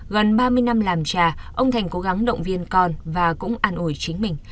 gần ba mươi năm làm trà ông thành cố gắng động viên con và cũng an ủi chính mình